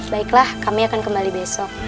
baiklah kami akan kembali besok